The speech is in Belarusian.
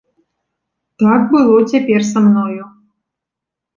Так было цяпер са мною.